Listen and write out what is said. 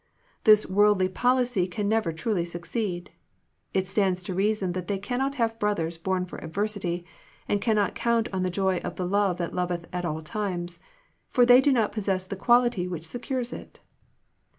This worldly policy can never truly succeed. It stands to reason that they cannot have brothers born for adversity, and cannot count on the joy of the love that loveth at all times; for they do not possess the quality which secures it.